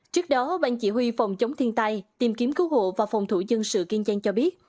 trước đó ban chỉ huy phòng chống thiên tai tìm kiếm cứu hộ và phòng thủ dân sự kiên giang cho biết